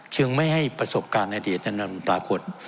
ซึ่งไม่ให้ประสบการณ์อดีตนำตากฎ